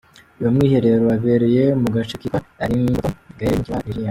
Uyu mwiherero wabereye mu gace kitwa Arlington gaherereye mu mujyi wa Virginia.